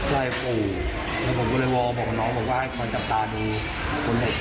ไปจบหนูก็เละวองบอกพอว่าดูทั้งที่ดูได้ช่วย